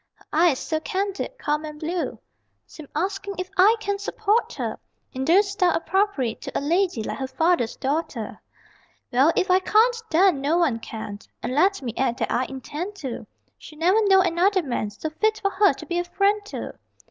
Her eyes, so candid, calm and blue, Seem asking if I can support her In the style appropriate to A lady like her father's daughter. Well, if I can't then no one can And let me add that I intend to: She'll never know another man So fit for her to be a friend to.